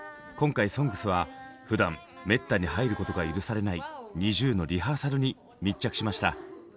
今回「ＳＯＮＧＳ」はふだんめったに入ることが許されないＮｉｚｉＵのリハーサルに密着しました。